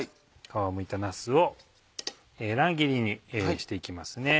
皮をむいたなすを乱切りにして行きますね。